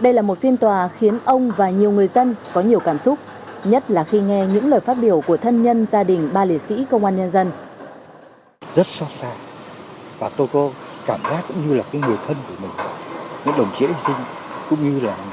đây là một phiên tòa khiến ông và nhiều người dân có nhiều cảm xúc nhất là khi nghe những lời phát biểu của thân nhân gia đình ba liệt sĩ công an nhân dân